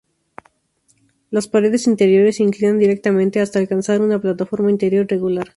Las paredes interiores se inclinan directamente hasta alcanzar una plataforma interior irregular.